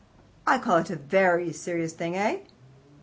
"I call it a very serious thing, eh?"